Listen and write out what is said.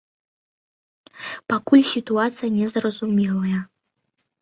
Пакуль сітуацыя не зразумелая.